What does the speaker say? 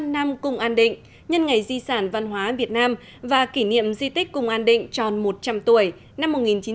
một trăm linh năm cung an định nhân ngày di sản văn hóa việt nam và kỷ niệm di tích cung an định tròn một trăm linh tuổi năm một nghìn chín trăm một mươi bảy hai nghìn một mươi bảy